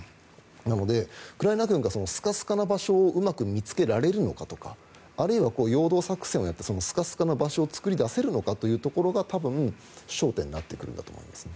なので、ウクライナ軍がスカスカな場所をうまく見つけられるのかとかあるいは陽動作戦をやってスカスカの場所を作り出せるかというのが多分、焦点になってくるんだと思います。